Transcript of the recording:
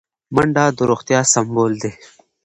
منډه د روغتیا سمبول دی